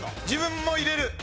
自分も入れる？